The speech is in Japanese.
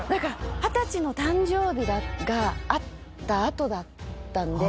２０歳の誕生日があった後だったんで。